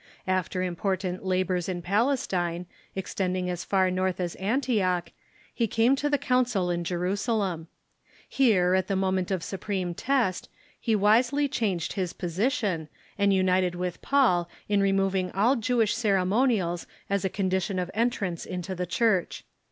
After important labors in Palestine, extending as far north as Antioch, he came to the council in Jerusalem. Here, at the moment of supreme test, he wisely changed his position, and united with Paul in removing all Jewish ceremonials as a con dition of entrance into the Church.